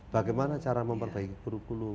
bagaimana cara memperbaiki kurikulum